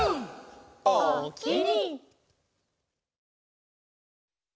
「おおきに」